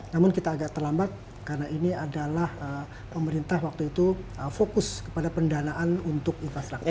namun kita agak terlambat karena ini adalah pemerintah waktu itu fokus kepada pendanaan untuk infrastruktur